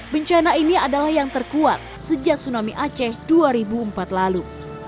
bencana ini adalah yang terkuat sejak tsunami aceh dua ribu empat lalu